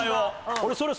俺それを。